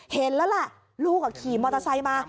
เห็นแล้วแหละลูกขี่มอเตอร์ไซค์มา